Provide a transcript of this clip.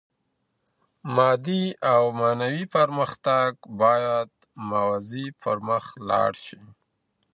مادي او معنوي پرمختګ بايد موازي پرمخ لاړ سي.